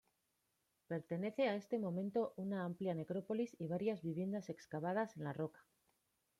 Pertenece a este momento una amplia necrópolis y varias viviendas excavadas en la roca.